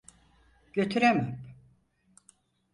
Götüremem.